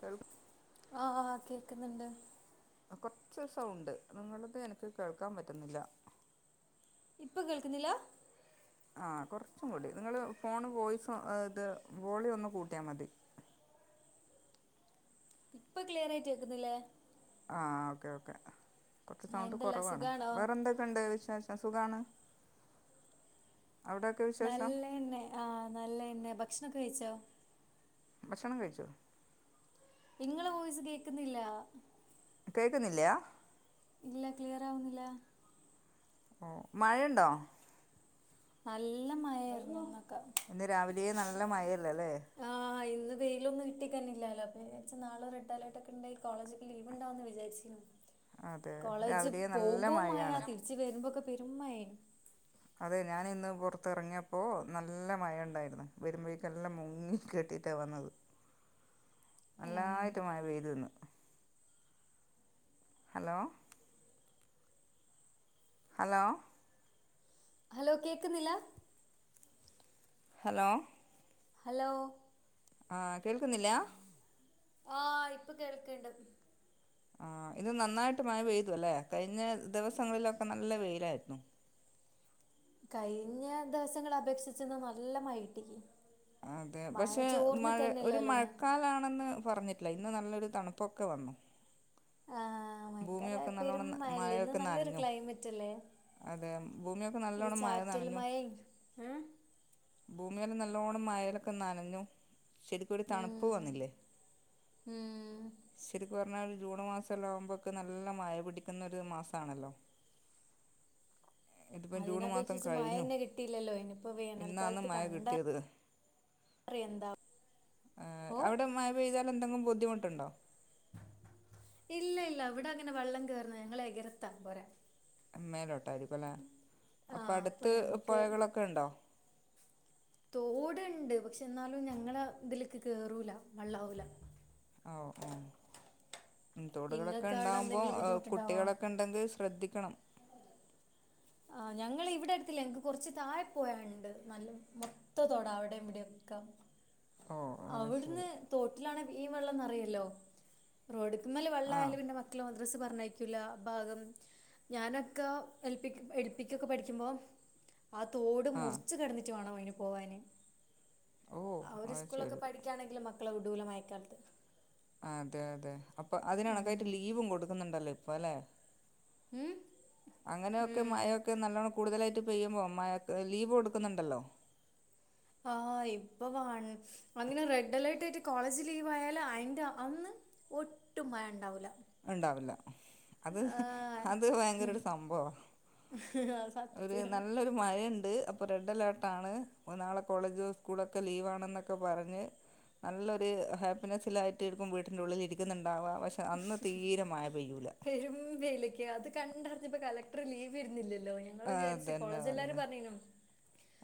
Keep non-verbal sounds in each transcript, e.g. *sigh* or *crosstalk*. കേൾ ആഹ ആ കേക്കുന്നുണ്ട്. കുറച്ച് സൗണ്ട് നിങ്ങളത് എനിക്ക് കേൾക്കാൻ പറ്റുന്നില്ല. ഇപ്പൊ കേൾക്കുന്നില്ല? ആ കൊറച്ചും കൂടി നിങ്ങള് ഫോണ് വോയിസ് ഇത് വോളിയം ഒന്ന് കൂട്ടിയാ മതി *inaudible* ഇപ്പൊ ക്ലിയറായിട്ട് കേക്കുന്നില്ലേ? ആ ഓക്കേ ഓക്കെ കുറച്ച് ആഹ് സൗണ്ട് എന്തെല്ലാ കുറവാണ് സുഖാണോ വേറെ എന്തൊക്കെണ്ട് വിശേഷം? സുഖാണ് നല്ലയന്നെ ആഹ് നല്ലയന്നെ ഭക്ഷണൊക്കെ കഴിച്ചോ ഭക്ഷണം കഴിച്ചു ഇങ്ങള് വോയിസ് കേക്കുന്നില്ല കേക്കുന്നില്ല്യ ഇല്ല ക്ലിയറാവുന്നില്ല ഓ മഴയുണ്ടോ? നല്ല മയാരുന്നു ഇന്ന് ഇന്ന് രാവിലെയേ നല്ല മയല്ലല്ലേ ആഹ് ഇന്ന് വെയിലൊന്നും ഇട്ടിക്കന്നില്ലല്ലോ പിനാച്ച് നാളെ റെഡ് അലർടട്ടൊകെണ്ടയി കോളജക്ക് ലീവ്ണ്ടാവു വിചാരിച്ചിനും അതെ കോളേജ് രാവിലെ നല്ല പോകുമ്പോ മയ മഴയാണ് തിരിച്ച് വരുമ്പോക്കെ പെരുമയനു അതെ ഞാനിന്ന് പുറത്തിറങ്ങിയപ്പോ നല്ല മഴ ഉണ്ടായിരുന്നു വരുമ്പേക്കെല്ലാം മുങ്ങി കെട്ടി കിട്ടാണ് വന്നത് ഏഹ് നല്ലായിട്ട് മഴ പെയ്തിന്ന് ഹലോ ഹലോ ഹലോ കേക്കുന്നില്ല ഹലോ ഹലോ ആഹ് കേൾക്കുന്നില്ല? ആഹ് ഇപ്പൊ കേൾക്കണ്ട് ആ ഇത് നന്നായിട്ട് മയപെയ്തു അലല്ലേ കഴിഞ്ഞ ദിവസങ്ങളിലൊക്കെ നല്ല വെയിലായിരുന്നു. കഴിഞ്ഞ ദിവസങ്ങളപേക്ഷിച്ചുന്ന് നല്ല മഴെട്ടി അതെ പക്ഷെ മഴ ഒരു മഴക്കാലാണെന്ന് പറഞ്ഞിട്ടില്ല ഇന്ന് നല്ലൊരു തണുപ്പൊക്കെ വന്നു ആഹ് മഴക്കാലായ ഭൂമിയൊക്കെ പെരും നല്ലോണ്ണം മഴല്ലേ ഇന്ന് മഴയൊക്കെ നല്ലൊരു നനഞ്ഞു ക്ലൈമറ്റ് അല്ലേ അതെ ഭൂമിയൊക്കെ ഒരു നല്ലോണ്ണം മഴ ചാറ്റൽ നനഞ്ഞു മഴയും ഏഹ് *unintelligible* നല്ലോണ്ണം മഴലൊക്കെ നനഞ്ഞു ശരിക്കും ഒരു തണുപ്പ് ഉം വന്നില്ലേ ഉം ശരിക്കും പിന്നാ ജൂൺമാസം എല്ലാവുമ്പ തെ നല്ല മഴ പിടിക്കുന്ന ഒരു മാസമാണല്ലോ ഇതിപ്പം ജൂൺ മാസം അതിനപേക്ഷിച്ച് മഴ കഴിഞ്ഞു തന്നെ കിട്ടിയില്ലല്ലോ ഇനിയിപ്പോ ഇന്നാണ് വേനൽക്കാലത്ത് മഴ കിട്ടിയത് കണ്ടറിഞ്ഞ് റി എന്താ എ ഓ അവിടെ മഴ പെയ്താൽ എന്തെങ്കിലും ബുദ്ധിമുട്ടുണ്ടോ? ഇല്ല ഇല്ല ഇവിടെ അങ്ങനെ വെള്ളം കേറന്ന് ഞങ്ങൾ എകരത്താ പോരെ മേലോട്ടായിരിക്കും അല്ലേ അപ്പൊ ആഹ് അടുത്ത് ഞങ്ങക്ക് പുഴകളൊക്കെ ഉണ്ടോ തോടുണ്ട് പക്ഷെ എന്നാലും ഞങ്ങള ഇതിലേക്ക് കേറൂല വെള്ളാവൂല ഓ ഓ തോടുകളൊക്കെ ഇങ്ങൾക്ക് അവിടെ ഉണ്ടാവുമ്പോ എന്തെങ്കിലും എ ബുദ്ധിമുട്ടുണ്ടാവോ കുട്ടികളൊക്കെ ഉണ്ടെങ്കിൽ ശ്രദ്ധിക്കണം. ആ ഞങ്ങളിവിടെ അടുത്തില്ല എനിക്ക് കുറച്ച് താഴെ പോയുണ്ട് നല്ല മൊത്തത്തോടാ അവിടെ ഇവിടെ ക്ക ഓ ഓ, അത് ശരി അവിടുന്ന് തോട്ടിലാണ ഈ വേവെള്ളംന്നറിയല്ലോ റോഡ് മല്ല വെള്ള ആ ആയാലു പിന്നെ മക്കള മദ്രസ് പറഞ്ഞയ്ക്കൂല ഭാഗം ഞാനൊക്കെ എൽ പ്പിക്ക് എൽ പ്പിക്കൊക്കെ പഠിക്കുമ്പോ ആ തോട് ആ മുറിച്ചു കടന്നിട്ട് വേണോ അയിന് പോവാന് ഓ ഒരു അത് സ്കൂളൊക്കെ ശരി പഠിക്കയാണെങ്കിലും മക്കളെ വിടൂലമായക്കാലത്ത് അതെ അതെ അപ്പൊ അതിണക്കായിട്ട് ഉം ലീവും കൊടുക്കുന്നുണ്ടല്ലോ ഇപ്പ അല്ലെ ഉം അങ്ങനെയൊക്കെ ഉം മഴൊക്കെ നല്ലോണം കൂടുതലായിട്ട് പെയ്യുമ്പോൾ മ ലീവ് കൊടുക്കുന്നുണ്ടല്ലോ ആഹ് ഇപ്പാണ് അങ്ങനെ റെഡ് അലേർട്ട് ആയിട്ട് കോളേജ് ലീവ് ആയാല് അയിന്റെ അന്ന് ഒട്ടും മഴ ഉണ്ടാവൂല ഉണ്ടാവില്ല അത് ആഹ് അത് ഭയങ്കര ഒരു സംഭവം ഒരു സത്യം നല്ലൊരു മഴയുണ്ട് ഇപ്പോൾ റെഡ് അലേർട്ടാണ് ഒ നാളെ കോളേജോ സ്കൂളൊക്കെ ലീവന്നെന്ന്ക്കെ പറഞ്ഞ് നല്ലൊരു ഹാപ്പിനെസിലായിട്ട് ചിലപ്പോ വീട്ടിന്റെ ഉള്ളിൽ ഇരിക്കുന്നുണ്ടാവാ പക്ഷെ അന്ന് തീരെ മഴ പെയ്യൂല പെരും വേയിലക്ക അത് കണ്ടറിഞ്ഞപ്പോ കലക്ടർ ലീവ് തരുന്നില്ലല്ലോ ട്ടോ ഞങ്ങൾ ആ, വിചാരിച്ച അതന്നെ കോളേജ എല്ലാരും പറയുന്നത് പറയുന്നു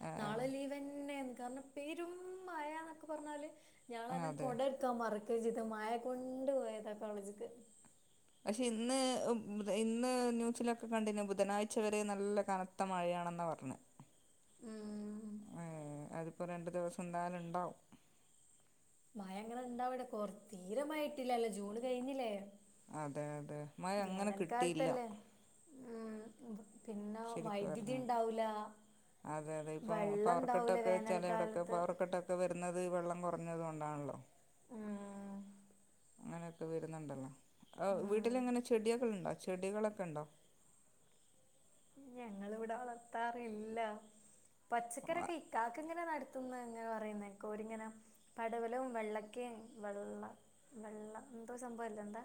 ആ നാളെ ലീവ്ന്നെ കാരണം പെരും മാഴന്നൊക്കെ പറഞ്ഞാല് ആ ഞാനാനെ അതെ കുട എടുക്കാൻ മറ ജിത് മഴ കൊണ്ട് പോയതാ കോളേജക്ക് പക്ഷെ ഇന്ന് ഇന്ന് ന്യൂസിലൊക്കെ കണ്ടു ബുധനാഴ്ച വരെ നല്ല കനത്ത മഴയാണ് ന്നാ പറഞ്ഞ ഉം ഉം അതിപ്പോ രണ്ട് ദിവസം എന്തായാലും ഉണ്ടാവും മഴ അങ്ങനെ ഇണ്ടാവവിടെ കൊറ തീരെ മഴ ഇട്ടില്ലല്ലോ ജൂണ് കഴിഞ്ഞില്ലേ അതെ അതെ മഴ അങ്ങനെ കിട്ടിയില്ല വേനൽക്കാലത്തല്ലേ ഉം വ- പിന്നെ ശരിക്ക് വൈദ്യുതി പറഞ്ഞാൽ ഉണ്ടാവൂല അതെ അതെ ഇപ്പൊ പവർക്കെട്ടൊക്കെ ചിലടൊക്കെ വേനൽക്കാലത്ത് പവർക്കെട്ടൊക്കെ വരുന്നത് വെള്ളം കുറ ഞ്ഞതുകൊണ്ടാണല്ലോ ഉം, അങ്ങനെയൊക്കെ വരുന്നുണ്ടല്ലോ ഉം, വീട്ടിലെങ്ങനെ ചെടിയൊക്കെ ഉണ്ട ചെടികളൊക്കെ ഉണ്ടോ ഞങ്ങളിവിടെ വളർത്താറില്ല ഓ ആ, പച്ചക്കറിക്കെ ഇക്കക്ക് ഇങ്ങനെ നടത്തുന്നങ്ങനെ പറയുന്നേ കോരിങ്ങനെ പടവലും വെള്ളക്കെ വെള്ള വെള്ള എന്തോ സംഭവല്ല എന്താ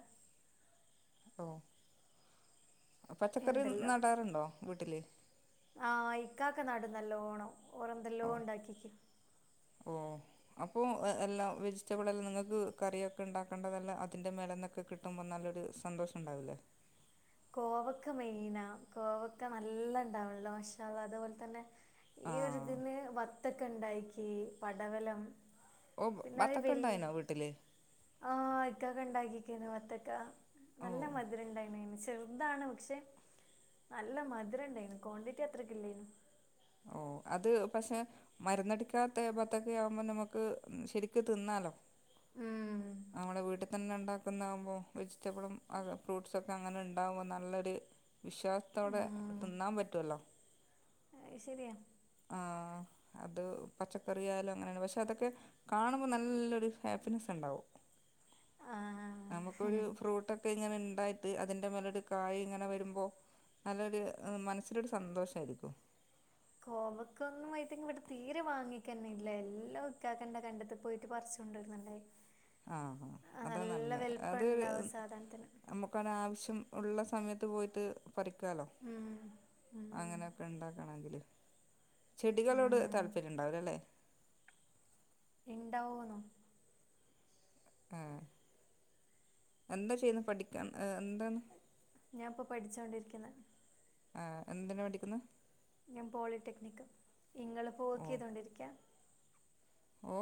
ഓ പച്ചക്കറി നടാറുണ്ടോ വീട്ടില് ആഹ് ഇക്കാക്കെ നാടും നല്ലോണം ഓറെന്തെല്ലോ ഓ ഉണ്ടാക്കിക്ക് ഓ അപ്പോൾ എല്ലാം വെജിറ്റബിൾ എല്ലാം നിങ്ങൾക്ക് കറിയൊക്കെ ഉണ്ടാക്കേണ്ടതല്ല അതിൻ്റെ മേലന്നൊക്കെ കിട്ടുമ്പോൾ നല്ല സന്തോഷം ഉണ്ടാവൂലേ കോവക്ക മെയിനാ കോവക്ക നല്ല ഇണ്ടാവുള്ളോ പക്ഷാ അ അതുപോലെ തന്നെ ഈ ആ ഒരുതിനു വത്തൊക്കെ ഉണ്ടക്കി പടവലം ഓ ബത്തൊക്കെ ഉണ്ടായിനോ *unintelligible* വീട്ടിൽ ആഹ് ഇക്കാക്ക ഇ ണ്ടാക്കി വത്തക്ക ഓ നല്ല മധുരംണ്ടായിന് ചെറുതാണ് പക്ഷെ നല്ല മധുരംണ്ടായിന ക്വാണ്ടിറ്റി അത്രക്ക ഇല്ലായിന് ഓ അത് പക്ഷെ മരുന്നടിക്കാത്ത പത്തൊക്കെ ആവുമ്പോ നമുക്ക് ശരിക്ക് തിന്നാലോ ഉം നമ്മുടെ വീട്ടിൽ തന്നെ ഉണ്ടാക്കുന്നാകുമ്പോൾ വെജിറ്റബിളും ഫ്രൂട്ട്സൊക്കെ അങ്ങനെ ഉണ്ടാകുമ്പോൾ നല്ലൊരു വിശ്വാസത്തോടെ ഉം തിന്നാൻ പറ്റുവല്ലോ അത് ശരിയാ ആഹ് അത് പച്ചക്കറിയാലും അങ്ങനെയാണ് പക്ഷെ അതൊക്കെ കാണുമ്പോൾ നല്ലൊരു ഹാപ്പിനെസ്സ് ഉണ്ടാവും ആ നമക്കൊരു ഫ്രൂട്ടൊക്കെ ഇങ്ങനെ ഇതായിട്ട് അതിന്റെ മേലട് കായ് ഇങ്ങനെ വരുമ്പോ നല്ലൊരു ഹ് മനസ്സിലൊരു സന്തോഷ ആയിരിക്കും കോവക്ക ഒന്നും ത്തി ഇവിടെ തീരെ വാങ്ങിക്കന്നെ ഇല്ല എല്ലാം ഇക്കാക്കണ്ട കണ്ടത്തി പോയിട്ട് പറച്ചുകൊണ്ട് വരും *unintelligible* ആഹ് അതാ നല്ല അത് വലിപ്പണ്ടാവും സാധനത്തിന് നമുക്ക് അത് ആവശ്യം ഉള്ള സമ യത്ത് പോയിട്ട് പറിക്കാലോ ഉം അങ്ങനെയൊക്കെ ഉണ്ടാക്കണങ്കിൽ ചെടികളോട് ഉം താല്പര്യംണ്ടാവ്‌ലല്ലേ ഇണ്ടാവ്വോന്നോ? അ എന്താ ചെയ്യുന്നെ പഠിക്കാ ഞാഇപ്പോ പഠിച്ചോണ്ടിരിന്നു. ആ എന്തിന് പഠിക്കന്ന്? ഞാൻ പോളിടെക്നിക്ക്. ഇങ്ങള്പ്പോവെക് ഓ ചെയ്തൊണ്ടിരിക്കാ? ഓ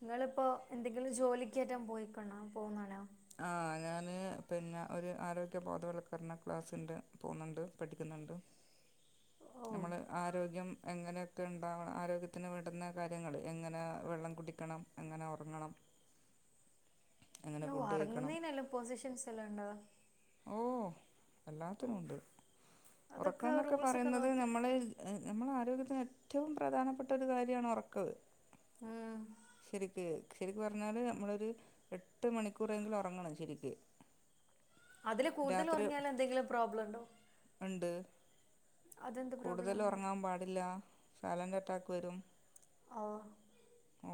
നിങ്ങളിപ്പോ എന്തെങ്കിലും ജോലിക്കോറ്റൊ പോയിക്കണോ പോന്നാണോ? ആ ഞാന് പിന്നെ ഒരു ആരോഗ്യബോധവൽക്കരണ ക്ലാസ്സിണ്ട് പോന്നുണ്ട് പഠിക്കുന്നുണ്ട് ണ്ട് നമ്മള് ഓ ആരോഗ്യം എങ്ങനെയൊക്കെ ഉണ്ടാവണം ആരോഗ്യത്തിന് വേണ്ടുന്ന കാര്യങ്ങൾ എങ്ങനെ വെള്ളം കുടിക്കണം എങ്ങനെ ഒറങ്ങണം ന് ഫുഡ് കഴിക്കണം ഒറങ്ങുന്നേനല്ലാം പൊസിഷൻസ് എല്ലാം ഉണ്ടോ? ഓ എല്ലാത്തിനും ഒണ്ട്. ഔഫ് അതൊക്കെ ഒറക്കോന്നൊക്കെ റൂൾസ് ഒക്കെ പറയുന്നത് നോക്കി നമ്മള് നമ്മളാ രോഗ്യത്തിന് ഏറ്റവും പ്രധാനപ്പെട്ട ഒരു കാര്യാണ് ഒറക്ക് ഉം ശരിക്ക് പറഞ്ഞാല് നമ്മളൊരു എട്ട് മണിക്കൂറെങ്കിലും ഒറങ്ങണം ശരിക്ക്. അതില് കൂടുതലൊറങ്ങിയാലെന്തെങ്കിലും പ്രോബ്ലണ്ടോ? ഇണ്ട് പ്രോബ്ലം കൂടുതൽ അങ്ങനെ ഒറങ്ങാൻ പാടില്ല സൈലന്റ് അറ്റാക്ക് വരും. ഓ ഓ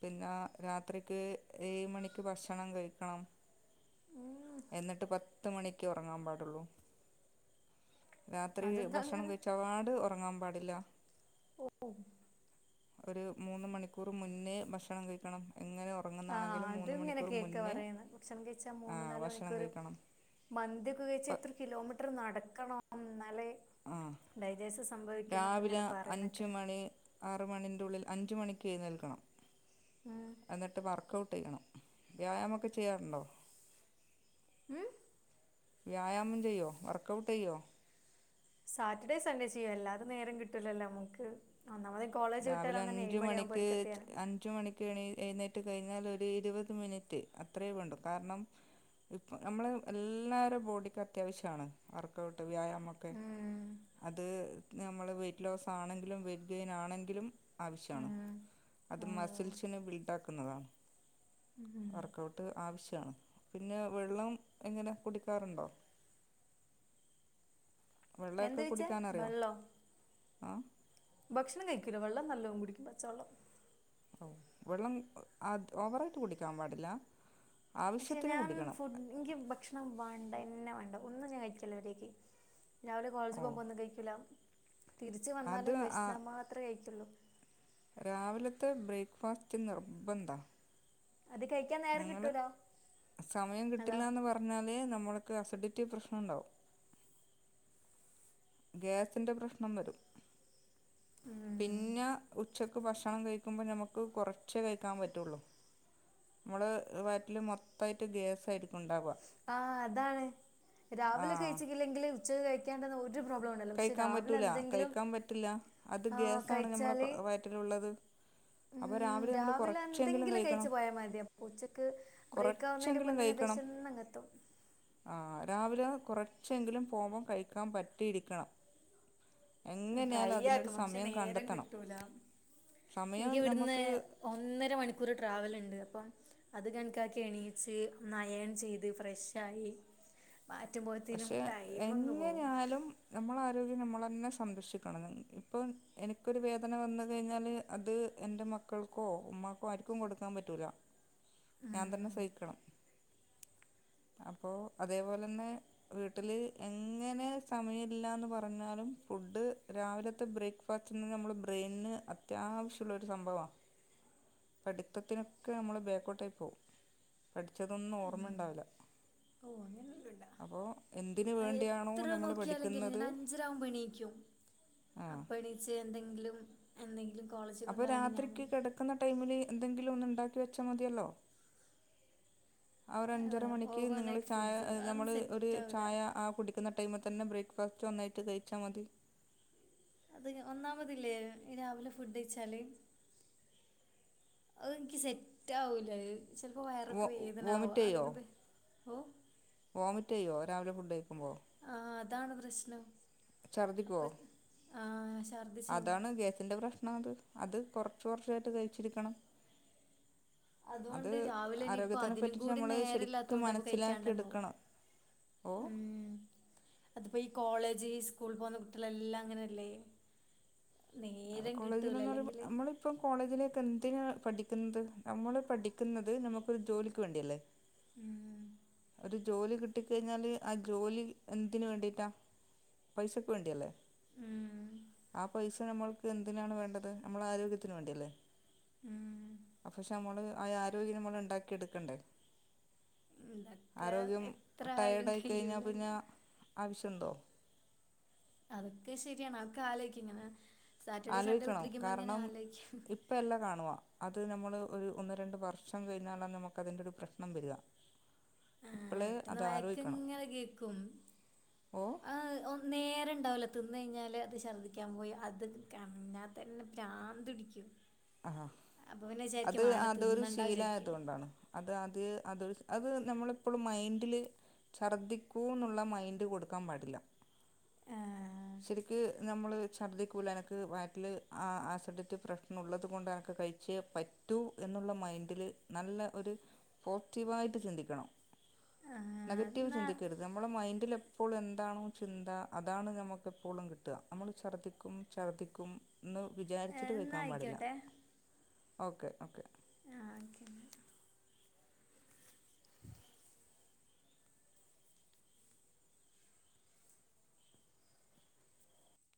പിന്നെ രാത്രിക്ക് ഏഴ് മണിക്ക് ഭക്ഷണം കഴിക്കണം. എന്നിട്ട് പത്ത് മണിക്ക് ഉറങ്ങാൻ പാടുള്ളൂ. രാത്രി അതെന്താ ഭക്ഷണം അങ്ങനെ കഴിച്ചപാട് ഒറങ്ങാൻ പാടില്ല ഒരു മൂന്ന് മണിക്കൂർ മുന്നേ ഭക്ഷണം കഴിക്കണം എങ്ങനെ ആ ഉറങ്ങുന്നതാണെങ്കിലും അതും മൂന്ന് ഇങ്ങനെ മണിക്കൂർ കേക്കാ മുന്നേ പറയുന്ന ഭക്ഷണം കഴിച്ചാ ആ മൂന്ന് നാല് ഭക്ഷണം മണിക്കൂറ് കഴിക്കണം മന്തിയൊക്കെ കഴിച്ചാ പ- ഇത്ര കിലോമീറ്റർ നടക്കണം എന്നാലെ ആ ഇങ്ങനെ രാവിലെ പറയുന്നൊക്കെ അഞ്ച് മണി മണിന്റുള്ളിൽ അഞ്ചു മണിക്കേഴുന്നേൽക്കണം ഉം എന്നിട്ടു വർക്ക്. *unintelligible* വ്യായാമം ഒക്കെ ചെയ്യാറുണ്ടോ? മം വ്യായാമം ചെയ്യോ, വർക്കഔട്ട് ചെയ്യോ? സാറ്റർഡേ സൺഡേ ചെയ്യും, അല്ലാതെ നേരം കിട്ടൂലല്ലോ നമുക്ക്. ഒന്നാമത് കോളേജ് വിട്ട് രാവിലെ വരാൻ തന്നെ ഏഴ് അഞ്ചു മണിയാകുമ്പോൾ മണിക്ക് ഒരുക്കെത്തിയാൽ അഞ്ചു മണിക്കെണീ എഴുനേറ്റ് റ്റു കഴിഞ്ഞാല് ഒരു ഇരുപത് മിനിറ്റ് അത്രയേ വേണ്ടു കാരണം ഇപ്പം നമ്മള് എല്ലാരെ ബോഡിക്ക് അത്യാവശ്യമാണ് വർക്കഔട്ട് വ്യായാമം. ഓക്കേ ഉം അത് നമ്മള് വെയിറ്റ്ലോസ് ആണെങ്കിലും വെയിറ്റ്ഗെയിൻ ആണെങ്കി ലും ആവിശ്യാണ് ഉം അത് ഉം മസിൽസിനെ ബില്ടാക്കുന്നതാണ്. ഉം വർക്കൗട്ട് ആവിശ്യാണ്, പിന്നെ വെള്ളം എങ്ങനെ കുടിക്കാറുണ്ടോ? വെള്ളോക്കെ എന്താ ചോദിച്ചേ കുടിക്കാനറിയോ വെള്ളോ ആ? ഭക്ഷണം കഴിക്കൂല വെള്ളം നല്ലോം കുടിക്കും പച്ചവെള്ളം. ഓ വെള്ളം അ ഓവറായിട്ട് കുടിക്കാൻ പാടില്ല പക്ഷെ ആവശ്യത്തിന് ഞാൻ കുടിക്കണം ഫുഡ് നിക്ക് ഭക്ഷണം വേണ്ടന്നെ വേണ്ട ഒന്നും ഞാൻ കഴിക്കില്ല മര്യാക്ക്, രാവിലെ കോളേജി ഓ പോകുമ്പോ ഒന്നും കഴിക്കില്ല തിരിച്ച് അത് വന്നാലും ആ വെശന്നാ മാത്രേ കഴിക്കുള്ളൂ. രാവിലത്തെ ബ്രേക്ക്ഫാസ്റ്റ് നിർബന്ധാ. അത് കഴിക്കാൻ നേരം നിങ്ങള് കിട്ടൂല സമയം അതാ കിട്ടില്ലാന്ന് പറഞ്ഞാലേ നമ്മള് ക്ക് അസിഡിറ്റി പ്രശ്നമുണ്ടാവും. ഗ്യാസിന്റെ പ്രശ്നം വരും ഉം. പിന്നെ ഉച്ചക്ക് ഭക്ഷണം കഴിക്കുമ്പോൾ നമുക്ക് കുറച്ചേ കഴിക്കാൻ പറ്റുള്ളു. നമ്മള് വയ്റ്റില് മൊത്തായിട്ട് ഗ്യാസായിരിക്കും ഉണ്ടാവുക ആഹ് അതാണ് രാവിലെ ആഹ് കഴിച്ചിക്കില്ലെങ്കില് ഉച്ചക്ക് കഴിക്കാണ്ടെന്ന്- ഒരു പ്രോബ്ലം ഉണ്ടല്ലോ പക്ഷെ കഴിക്കാൻ രാവിലെ പറ്റൂല എന്തെങ്കിലും കഴിക്കാൻ പറ്റില്ല അത് ആ, ഗ്യാസാണ് നമ്മുടെ കഴിച്ചാല് വയറ്റിലുള്ളത്. അപ്പം രാ ഉം, രാവിലെ എന്തെങ്കിലും കഴിച്ചു പോയാൽ മതി അപ്പ ഉച്ചക്ക് ബ്രേക്ക് ആവുന്നതിന് കുറച്ചെങ്കിലും മുന്നന്നെ കഴിക്കണം വെശന്ന് കത്തും. ആഹ് ആ രാവിലെ കുറച്ചെങ്കിലും പോമ്പോം കഴിക്കാൻ പറ്റിയിരിക്കണം എങ്ങനെയാലും ട്രൈ അതിനൊരു ആക്കും പക്ഷെ സമയം നേരം കണ്ടെത്തണം കിട്ടൂല സമയം എനിക്ക് ഇവിടുന്ന് നമുക്ക് ഒന്നര മണിക്കൂർ ട്രാവൽ ഉണ്ട് അപ്പൊ- അത് കണക്കാക്കി എണീച്ച് ഒന്നയൺ ചെയ്ത് ഫ്രഷ് ആയി പക്ഷെ എങ്ങനെയാലും നമ്മളാരോഗ്യം നമ്മളെ- ന്നെ സംരക്ഷിക്കണം ഇപ്പം എനിക്കൊരു വേദന വന്ന് കഴിഞ്ഞാല് അത് എൻ്റെ മക്കൾക്കോ- ഉമ്മാക്കൊ ആരിക്കും കൊടുക്കാൻ പറ്റൂല ഞാൻ തന്നെ ഉം സഹിക്കണം അപ്പോൾ അതേപോലെ തന്നെ വീട്ടില് എങ്ങനെ സമയില്ലന്ന് പറഞ്ഞാലും- ഫുഡ് രാവിലത്തെ ബ്രേക്ക്ഫാസ്റ്റ് നിന്ന് നമ്മളെ ബ്രെയിന് അത്യാവശ്യമുള്ളൊരു സംഭവാ പഠിത്തത്തിനൊക്കെ നമ്മള് ബേക്ക്ഔട്ടയി പോവും പഠിച്ചതൊന്നും ഓർമ്മ ഉം ണ്ടാവില്ല. ഓ അങ്ങനെല്ലാം ഉണ്ടാ അപ്പോൾ എന്തിന് വേണ്ടിയാണോ എത്ര ഞമ്മള് നോക്കിയാലെങ്കിലും പഠിക്കുന്നത് ആ അപ്പണീച്ച് എന്തെങ്കിലും എന്തെങ്കിലും- കോളേജിൽ അപ്പൊ കൊണ്ടുപോകാൻ ഞാൻ രാത്രിക്ക് കിടക്കുന്ന ടൈമില് എന്തെങ്കില- ഒന്ന് ണ്ടാക്കി വെച്ചാ മതിയല്ലോ ആ ഒരു അഞ്ചര മണിക്ക് നിങ്ങൾ ഓവർനൈറ്റ് ചായ ഫുഡ്സ് നമ്മൾ അതൊന്നും ഒരു സെറ്റ് ആവില്ല ചായ ആ കുടിക്കുന്ന ടൈമ- തന്നെ ബ്രേക്ക്ഫാസ്റ്റ് ഒന്നായിട്ട് കഴിച്ചാ മതി. അതിന് ഒന്നാമതില്ലേ രാവിലെ ഫുഡ് കഴിച്ചാല് അത് എനിക്ക് സെറ്റ് ആവൂലത് ചെലപ്പോ വോ വയറൊക്കെ വേദനവാ വോമിറ്റ് ചെയ്യോ അതിന് *unintelligible* *unintelligible* രാവിലെ ഫുഡ്‌ കയ്ക്കുമ്പോ ആഹ് അതാണ് പ്രശ്നം. ഛർദിക്കുവോ അപ്പൊ ആ ഛർദിച്ചാവും അതാണ് ഗേസിന്റെ പ്രശ്നാത് അത് കുറച്ച് കുറച്ചായിട്ട് കഴിച്ചിരിക്കണം. അത് അതുകൊണ്ട് രാവിലെ ഇനിയിപ്പോൾ ആരോഗ്യത്തിനെ അതിനും പറ്റിട്ട് കൂടി നമ്മള് ശരിക്കും നേരമില്ലാത്തതുകൊണ്ട് അപ്പോൾ മനസ്സിലാക്കി കഴിക്കാണ്ടങ്ങാവും എടുക്കണം. ഓ അതിപ്പോ ഈ കോളേജ് സ്കൂള് പോന്ന കുട്ടികളെല്ലാ ഇങ്ങനല്ലേ. കോളേജിലന്നറയുമ്പ നമ്മളിപ്പം കോളേജിലക്കെ എ- ത്തിനാ പഠിക്കുന്നത് നമ്മള് പഠിക്കുന്നത് നമുക്കൊരു ജോലിക്ക് വേണ്ടിയല്ലേ. ഉം ഒരു ജോലി കിട്ടിക്കഴിഞ്ഞാല് ആ ജോലി എന്തിന് വേണ്ടിറ്റാ? പൈസക്ക് വേണ്ടിയല്ലേ. ഉം, ആ പൈസ നമ്മൾക്ക് എന്തിനാണ് വേണ്ടത് നമ്മൾ ആരോഗ്യത്തിന് വേണ്ടിയല്ലേ. ഉം. അ പക്ഷെ നമ്മള് അ ആരോഗ്യം നമ്മൾ ഇണ്ടാക്കിയെടുക്കണ്ടേ. എന്ത ആരോഗ്യം ടയേർഡായി കഴിഞ്ഞാ പിന്നാ ആവശ്യണ്ടോ? അതൊക്കെ ശരിയാണ് അ ഒക്കെ ആലോയ്ക്കിങ്ങനെ- ആലോയിക്കണം കാരണം ഇപ്പയല്ല കാണുവ അ ത് നമ്മള് ഒരു ഒന്ന് രണ്ട് വർഷം കഴിഞ്ഞാല നമുക്കതിൻ്റെ ഒരു പ്രശ്നം വരിക ആഹ് ഇപ്പോഴേ വീട്ട്ന്ന് അത് ആലോചിക്കണം വയക്കിങ്ങനെ കേക്കും ഓ ആഹ് ഒന്ന് നേരണ്ടാവല. ത്തിന്ന് കയിഞ്ഞാല് അത് ഛർദ്ദിക്കാൻ പോയി അത് കഞ്ഞാ തന്നെ പ്രാന്തുടിക്കും ആഹ് അത് അതൊരു തിന്നണ്ട ശീല വിചാരിക്കും ആയതുകൊണ്ടാണ് അത് അത് അതൊരു- അത് നമ്മളിപ്പളും മൈന്റില് ഛർദ്ദിക്കൂന്നുള്ള മൈൻഡ് കൊടുക്കാൻ പാടില്ല ആ, ശരിക്ക് നമ്മള് ഛർദിക്കൂല. എനക്ക് വയറ്റില് അ ആസിഡറ്റ് പ്രശ്നം ഉള്ളത് കൊണ്ട് എനക്ക് കഴിച്ചേ പറ്റൂ എന്നുള്ള മൈൻഡില് നല്ല ഒരു പോറ്റീവായിട്ട് ചിന്തിക്കണം ആ, നെഗറ്റീവ് എന്നാ ചിന്തിക്കരുത്. നമ്മളെ മൈൻഡില് എപ്പോളും എന്താണോ ചിന്ത അതാണ് നമുക്ക് എപ്പോളും കിട്ട. നമ്മൾ ഛർദ്ദിക്കും ഛർദ്ദിക്കും ന്ന് വിചാരിച്ചിട്ട് എന്നാ നിക്കാൻ പാടില്ല ആയിക്കോട്ടെ ഓക്കെ ഓക്കെ ആഹ് ഓക്കെന്ന